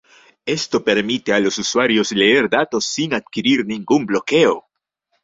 Esto permite a usuarios leer datos sin adquirir ningún bloqueo.